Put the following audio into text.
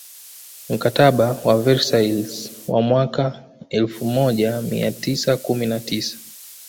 Mkataba wa Versailles wa mwaka mwaka elfumoja mia tisa kumi na tisa